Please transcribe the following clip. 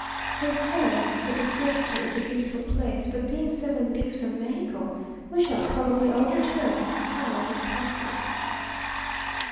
They say the Desierto is a beautiful place, but being seven leagues from Mexico, we shall probably all return as tired as possible.